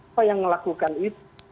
apa yang melakukan itu